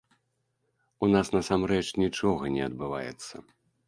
У нас насамрэч нічога не адбываецца.